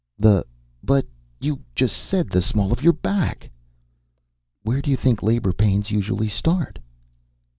"The but you just said the small of your back." "Where do you think labor pains usually start?"